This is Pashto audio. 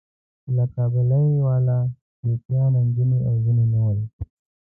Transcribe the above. لکه کابلی والا، ګیتا نجلي او ځینې نور.